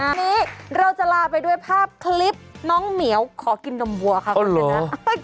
วันนี้เราจะลาไปด้วยภาพคลิปน้องเหมียวขอกินนมบัวค่ะคุณชนะ